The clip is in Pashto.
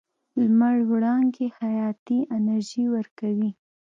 لمر وړانګې حیاتي انرژي ورکوي.